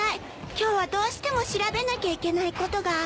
今日はどうしても調べなきゃいけないことがあって。